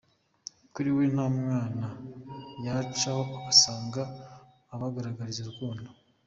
Kuri we nta mwana yacaho usanga abagaragariza urukundo.